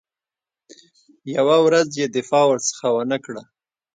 یوه ورځ یې دفاع ورڅخه ونه کړه.